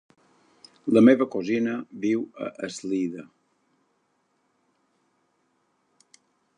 La meva cosina viu a Eslida.